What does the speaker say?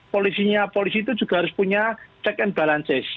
polisinya polisi itu juga harus punya check and balances